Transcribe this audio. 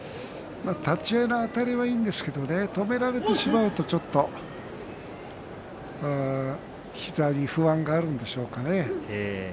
立ち合いのあたりはいいんですけれども止められてしまうとちょっと膝に不安があるんでしょうかね。